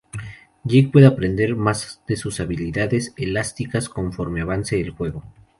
Jake puede aprender más de sus habilidades elásticas conforme avance el juego.